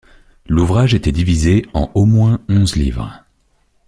L'ouvrage était divisé en au moins onze livres.